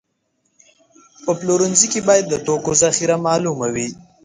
په پلورنځي کې باید د توکو ذخیره معلومه وي.